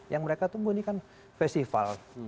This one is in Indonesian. yang mereka tunggu ini kan festival